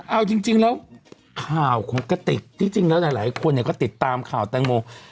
เอาจริงแล้วข่าวของกระติกที่จริงแล้วหลายคนเนี่ยก็ติดตามข่าวแตงโม